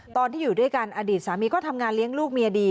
ตอนที่อยู่ด้วยกันอดีตสามีก็ทำงานเลี้ยงลูกเมียดี